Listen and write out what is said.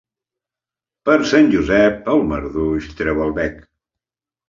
Per Sant Josep el marduix treu el bec.